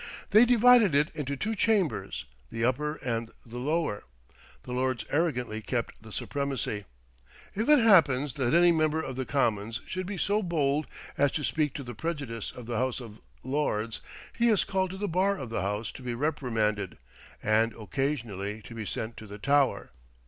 They divided it into two chambers, the upper and the lower. The Lords arrogantly kept the supremacy. "If it happens that any member of the Commons should be so bold as to speak to the prejudice of the House of Lords, he is called to the bar of the House to be reprimanded, and, occasionally, to be sent to the Tower."